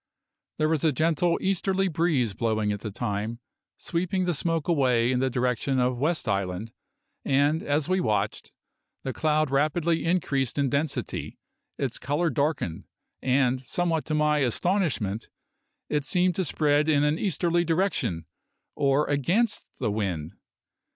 There was a gentle easterly breeze blowing at the time, sweeping the smoke away in the direction of West Island, and, as we watched, the cloud rapidly increased in density, its colour darkened, and, somewhat to my astonishment, it seemed to spread in an easterly direction, or against the wind.